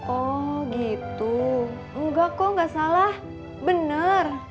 oh gitu enggak kok gak salah benar